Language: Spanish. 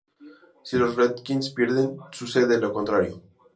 Si los Redskins pierden, sucede lo contrario.